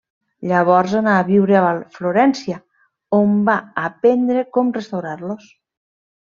Llavors anà a viure a Florència, on va aprendre com restaurar-los.